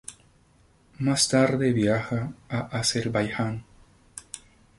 Más tarde viaja a Azerbaiyán.